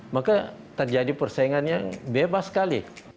maka terjadi persaingan yang bebas sekali